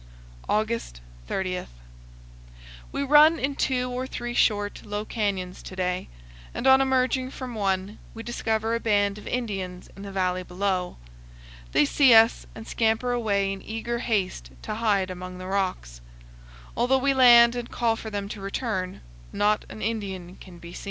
August 30. We run in two or three short, low canyons to day, and on emerging from one we discover a band of Indians in the valley below. They see us, and scamper away in eager haste to hide among the rocks. Although we land and call for them to return, not an Indian can be seen.